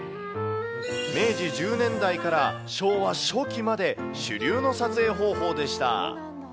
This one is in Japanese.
明治１０年代から、昭和初期まで主流の撮影方法でした。